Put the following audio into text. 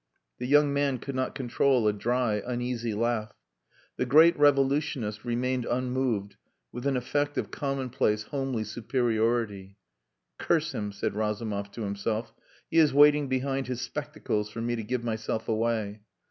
The young man could not control a dry, uneasy laugh. The great revolutionist remained unmoved with an effect of commonplace, homely superiority. "Curse him," said Razumov to himself, "he is waiting behind his spectacles for me to give myself away."